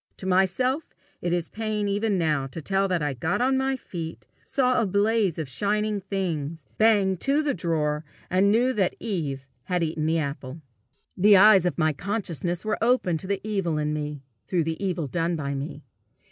To myself it is pain even now to tell that I got on my feet, saw a blaze of shining things, banged to the drawer, and knew that Eve had eaten the apple. The eyes of my consciousness were opened to the evil in me, through the evil done by me.